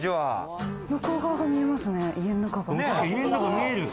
向こう側が見えますね、家の中が。